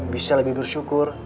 bisa lebih bersyukur